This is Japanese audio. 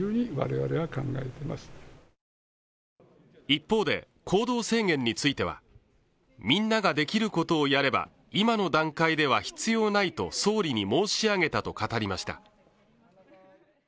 一方で、行動制限については、みんなができることをやれば今の段階では必要ないと総理に申し上げたと語りました。